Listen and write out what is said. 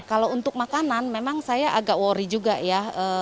kalau untuk makanan memang saya agak worry juga ya